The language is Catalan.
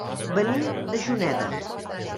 Venim de Juneda.